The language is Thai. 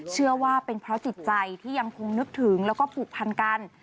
เชื่อว่าเป็นเพราะจิตใจที่ยังคงนึกถึงแล้วก็ผูกพันกัน